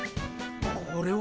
これは。